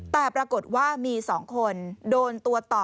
แต่ปรากฏว่ามี๒คนโดนตัวต่อ